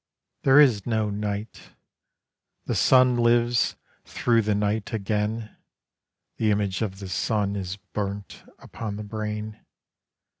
There is no night; the Sun Lives thro' the night again; The image of the Sun Is burnt upon the brain.